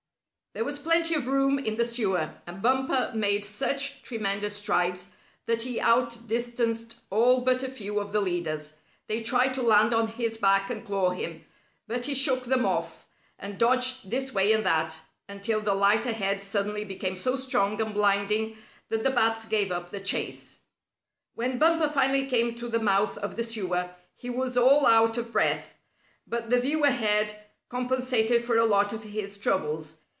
There was plenty of room in the sewer, and Bumper made such tremendous strides that he outdistanced all but a few of the leaders. They tried to land on his back and claw him, but he shook them off, and dodged this way and that, until the light ahead suddenly became so strong and blinding that the bats gave up the chase. When Bumper finally came to the mouth of the sewer, he was all out of breath, but the view ahead compensated for a lot of his troubles.